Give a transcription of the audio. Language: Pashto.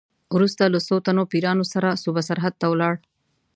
وروسته له څو تنو پیروانو سره صوبه سرحد ته ولاړ.